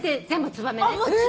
ツバメ！？え！？